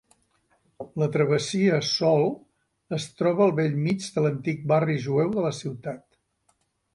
La Travessia Sol es troba al bell mig de l'antic barri jueu de la ciutat.